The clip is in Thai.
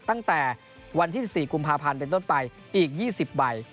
ตั้งแต่วันที่๑๔กุมภาพันธ์เป็นต้นไปอีก๒๐ใบ